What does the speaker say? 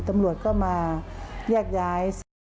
ตำรวจก็มาแยกย้าย